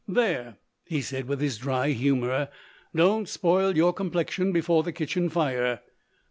"There," he said with his dry humour, "don't spoil your complexion before the kitchen fire."